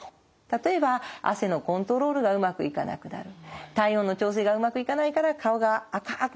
例えば汗のコントロールがうまくいかなくなる体温の調整がうまくいかないから顔が赤くなってほてってしまう。